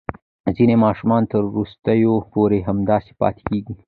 ځینې ماشومان تر وروستیو پورې همداسې پاتې کېږي.